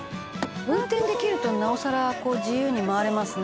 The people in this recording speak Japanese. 「運転できるとなおさら自由に回れますね」